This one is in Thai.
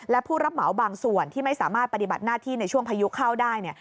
และผู้รับเหมาบางส่วนที่ไม่สามารถปฏิบัติหน้าที่ในช่วงพายุเข้าได้เนี่ย